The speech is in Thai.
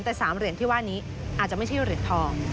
แต่๓เหรียญที่ว่านี้อาจจะไม่ใช่เหรียญทอง